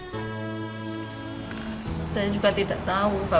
saya juga tidak tahu